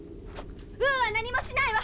ウーは何もしないわ！